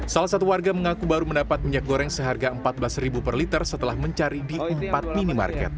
salah satu warga mengaku baru mendapat minyak goreng seharga rp empat belas per liter setelah mencari di empat minimarket